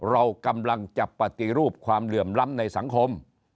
เรากำลังจะปฏิรูปความเหลื่อมล้ำในสังคม